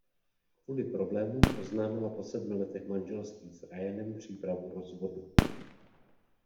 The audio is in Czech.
Kvůli problémům oznámila po sedmi letech manželství s Ryanem přípravu rozvodu.